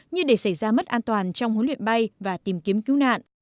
như để xảy ra mất an toàn trong huấn luyện bay và tìm kiếm cứu nạn